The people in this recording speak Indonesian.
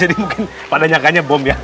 jadi mungkin pada nyangkanya bom ya